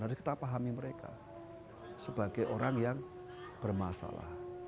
harus kita pahami mereka sebagai orang yang bermasalah